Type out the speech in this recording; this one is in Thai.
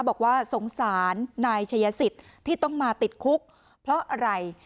บอกว่าสงสารนายชัยสิทธิ์ที่ต้องมาติดคุกเพราะอะไร